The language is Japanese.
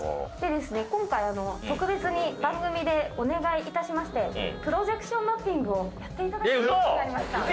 でですね今回特別に番組でお願いいたしましてプロジェクションマッピングをやっていただける事になりました。